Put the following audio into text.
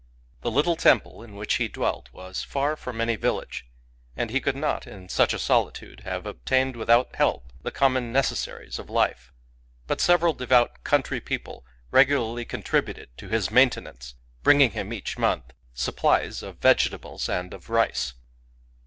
The little temple in which he dwelt was hr from any village ; and he could not, in such a solitude, have obtained without help the common necessaries of life. But several devout country people regularly contributed to his maintenance, bringing him each month supplies of vegetables and of rice.